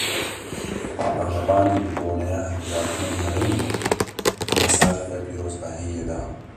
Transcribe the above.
Talebanî bi boneya hilbijartinên herêmê, mesajeke pîrozbahiyê da